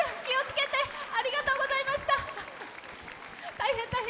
大変、大変！